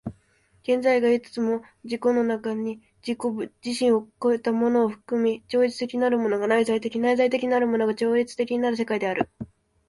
現在がいつも自己の中に自己自身を越えたものを含み、超越的なるものが内在的、内在的なるものが超越的なる世界である。